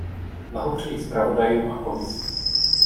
Blahopřeji zpravodajům a Komisi.